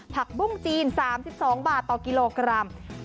ผักบุ้งจีน๓๒บาทต่อกิโลกรัม